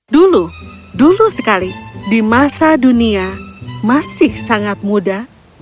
dulu dulu sekali di masa dunia masih sangat muda